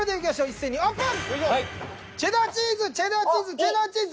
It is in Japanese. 一斉にオープン！